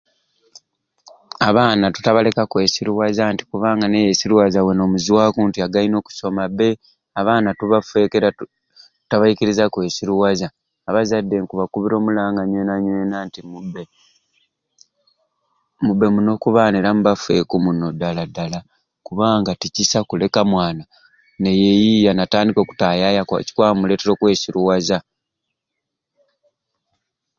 Abaana tutabaleka kwesiriwaza nti kubanga ni yesiriwaza we n'omuzwaku nti againe okusoma Abaana tubafeeku era tu tutabaikiriza kwesiriwaza abazadde nkubakubbira omulanga nywena nywena nti mubbe mubbe muno oku baana era mubafeeku muno ddala ddala kubanga tikisai kuleka mwana niyeeyiiya n'atandika okutaayaaya kubanga kikwaba kumuleetera okweisiriwaza.